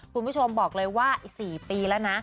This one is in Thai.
คุณผู้ชมบอกเลยว่าอีก๔ปีแล้วนะ